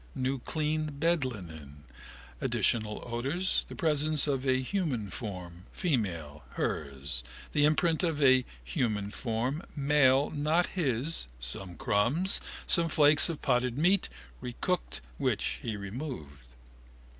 New clean bedlinen, additional odours, the presence of a human form, female, hers, the imprint of a human form, male, not his, some crumbs, some flakes of potted meat, recooked, which he removed.